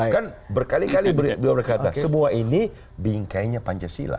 kan berkali kali beliau berkata semua ini bingkainya pancasila